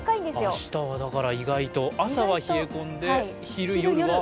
明日は意外と、朝は冷え込んで昼、夜は。